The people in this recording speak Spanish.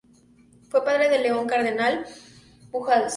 Fue padre de León Cardenal Pujals.